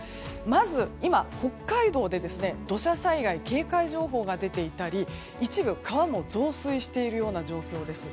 まず、今、北海道で土砂災害警戒情報が出ていたり一部、川も増水しているような状況です。